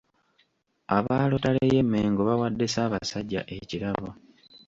Abalotale ye Mmengo bawadde Ssaabasajja ekirabo.